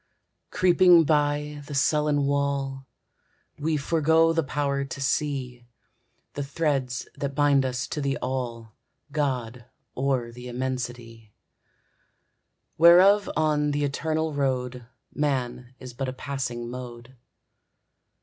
Creeping by the sullen wall, We forego the power to see, The threads that bind us to the All, God or the Immensity; Whereof on the eternal road Man is but a passing mode.